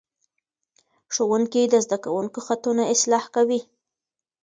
ښوونکي د زده کوونکو خطونه اصلاح کوي.